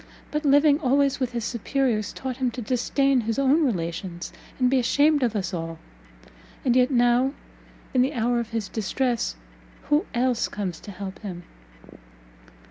But living always with his superiors, taught him to disdain his own relations, and be ashamed of us all; and yet now, in the hour of his distress who else comes to help him?"